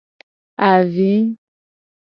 Avi.